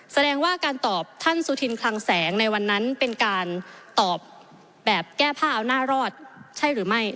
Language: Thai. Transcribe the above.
แสดงว่าการตอบท่านสุธินคลังแสงในวันนั้นเป็นการตอบแบบแก้ผ้าเอาหน้ารอดใช่หรือไม่